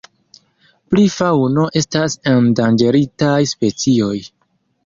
Pri faŭno estas endanĝeritaj specioj.